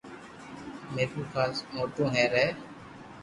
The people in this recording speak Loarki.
ميرپور موٽو ھير ھي